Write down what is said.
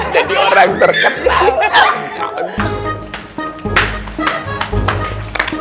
jadi orang terkenal